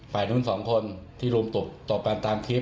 ฝ่ายนู้น๒คนที่รุมตกตกกันตามคลิป